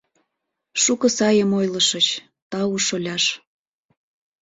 — Шуко сайым ойлышыч, тау, шоляш...